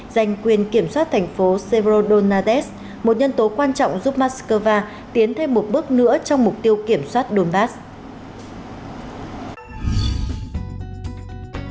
giành quyền kiểm soát thành phố sevro donades một nhân tố quan trọng giúp moscow tiến thêm một bước nữa trong mục tiêu kiểm soát donbass